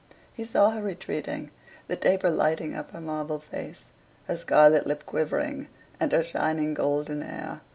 He saw her retreating, the taper lighting up her marble face, her scarlet lip quivering, and her shining golden hair.